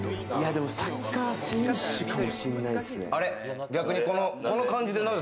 サッカー選手かもしんないですね。